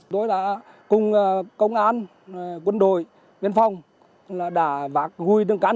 tôi là cùng công an quân đội viên phòng